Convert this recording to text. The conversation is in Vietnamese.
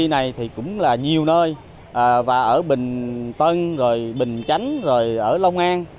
bảy chi này thì cũng là nhiều nơi và ở bình tân bình chánh lông an